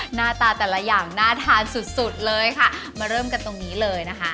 หน้าตาแต่ละอย่างน่าทานสุดสุดเลยค่ะมาเริ่มกันตรงนี้เลยนะคะ